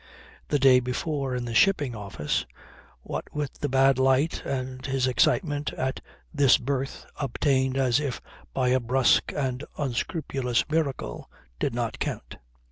The day before, in the shipping office, what with the bad light and his excitement at this berth obtained as if by a brusque and unscrupulous miracle, did not count.